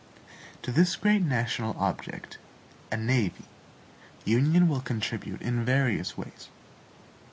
To this great national object, a NAVY, union will contribute in various ways.